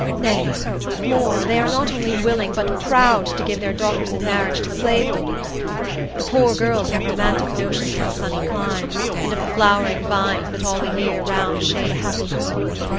Nay, more, they are not only willing, but proud, to give their daughters in marriage to slaveholders. The poor girls have romantic notions of a sunny clime, and of the flowering vines that all the year round shade a happy home.